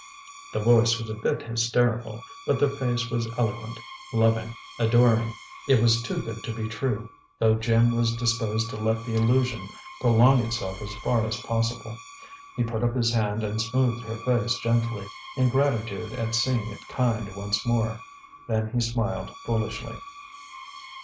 The voice was a bit hysterical, but the face was eloquent, loving, adoring. It was too good to be true, though Jim was disposed to let the illusion prolong itself as far as possible. He put up his hand and smoothed her face gently, in gratitude at seeing it kind once more. Then he smiled foolishly.